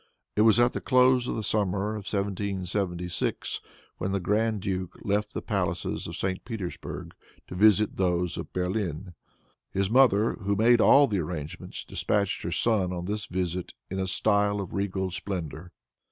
It was at the close of the summer of 1776 when the grand duke left the palaces of St. Petersburg to visit those of Berlin. His mother, who made all the arrangements, dispatched her son on this visit in a style of regal splendor.